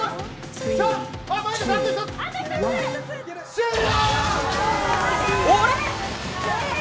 終了。